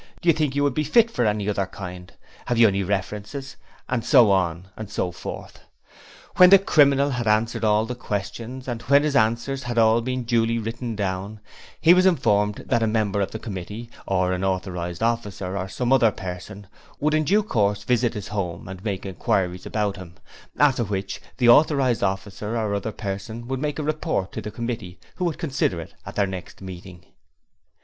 Do you think you would be fit for any other kind? 'Have you any references?' and so on and so forth. When the criminal had answered all the questions, and when his answers had all been duly written down, he was informed that a member of the Committee, or an Authorized Officer, or some Other Person, would in due course visit his home and make inquiries about him, after which the Authorized Officer or Other Person would make a report to the Committee, who would consider it at their next meeting.